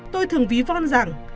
tôi thường ví von rằng